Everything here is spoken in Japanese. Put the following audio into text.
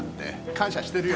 感謝してるよ。